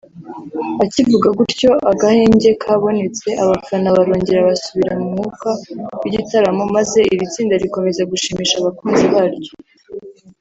Akivuga gutyo agahenge kabonetse abafana barongera basubira mu mwuka w’igitaramo maze iri tsinda rikomeza gushimisha abakunzi baryo